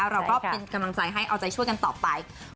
เราก็เป็นกำลังใจให้เอาใจช่วยกันต่อไป